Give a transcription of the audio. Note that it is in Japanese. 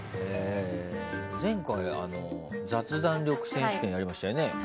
前回、雑談力選手権やりましたよね。